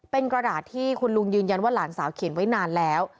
เป็นกระดาษที่คุณลุงยืนยันว่าหลานสาวเขียนไว้นานแล้ว